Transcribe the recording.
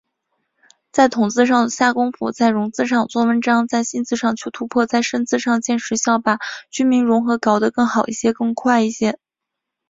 在“统”字上下功夫，在“融”字上做文章，在“新”字上求突破，在“深”字上见实效，把军民融合搞得更好一些、更快一些。